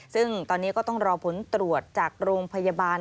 ซึ่งตอนนี้ก็ต้องรอผลตรวจจากโรงพยาบาล